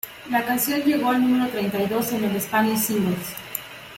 La canción llegó al número treinta y dos en "Spanish Singles".